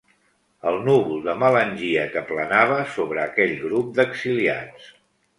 El núvol de melangia que planava sobre aquell grup d'exiliats.